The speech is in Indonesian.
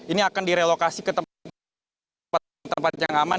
ini akan direlokasi ke tempat tempat yang aman